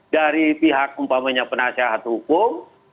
dari pihak umpamanya penasihat hukum